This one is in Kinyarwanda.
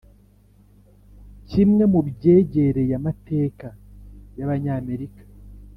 kimwe mu byegereye amateka y'abanyamerika